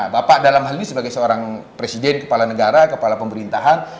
bapak dalam hal ini sebagai seorang presiden kepala negara kepala pemerintahan